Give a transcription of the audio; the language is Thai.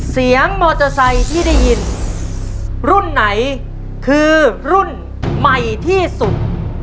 เสียงมอเตอร์ไซค์ที่ได้ยินรุ่นไหนคือรุ่นใหม่ที่สุด